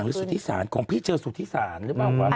อออไม่หวยศูธษาผมมีเจอศูธษาลืมไหมเอ่ย